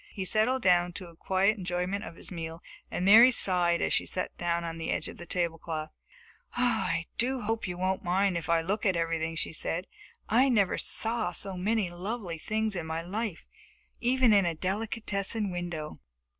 He settled down to a quiet enjoyment of his meal, and Mary sighed as she sat down at the edge of the tablecloth. "I do hope you won't mind if I look at everything," she said. "I never saw so many lovely things in my life even in a delicatessen window."